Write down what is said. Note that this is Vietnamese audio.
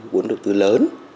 muốn đầu tư lớn